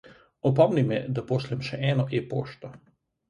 Opomni me, da pošljem še eno e-pošto.